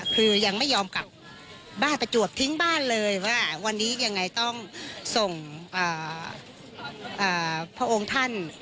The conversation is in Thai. คือยังไม่ยอมกลับบ้านประจวบทิ้งบ้านเลยว่าวันนี้ยังไงต้องส่งพระองค์ท่าน